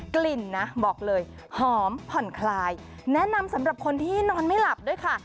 กลิ่นนะบอกเลยหอมผ่อนคลายแนะนำสำหรับคนที่นอนไม่หลับด้วยค่ะ